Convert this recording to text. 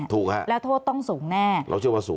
ถูกค่ะแล้วโทษต้องสูงแน่